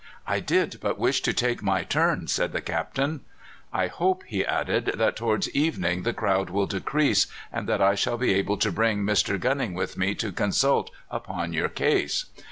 "I did but wish to take my turn," said the Captain. "I hope," he added, "that towards evening the crowd will decrease, and that I shall be able to bring Mr. Gunning with me to consult upon your case."